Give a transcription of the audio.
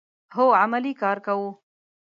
هو، عملی کار کوو